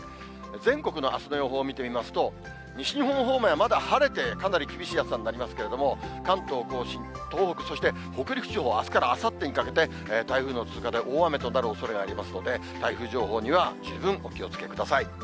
全国のあすの予報を見てみますと、西日本方面はまだ晴れて、かなり厳しい暑さになりますけれども、関東甲信、東北、北陸、あすからあさってにかけて、台風の通過で大雨となるおそれがありますので、台風情報には十分お気をつけください。